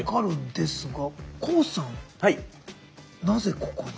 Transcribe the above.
なぜここに？